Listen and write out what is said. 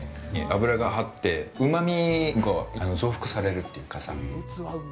脂があって、うまみが増幅されるというか。